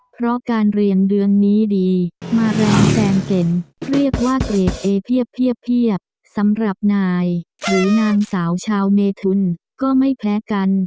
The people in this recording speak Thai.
เพราะการเรียงเดือนนี้ดีมาแรงแซงเป็นเรียกว่าเกรดเอเพียบสำหรับนายหรือนางสาวชาวเมทุนก็ไม่แพ้กัน